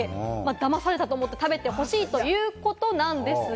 騙されたと思って食べてほしいということなんですが。